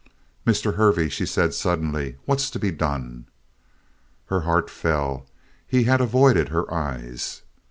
"Mr. Hervey," she said suddenly. "What's to be done?" Her heart fell. He had avoided her eyes.